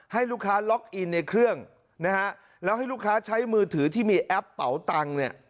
ให้ลูกค้าล็อกอินในเครื่องนะฮะแล้วให้ลูกค้าใช้มือถือที่มีแอปเป๋าตังค์เนี่ย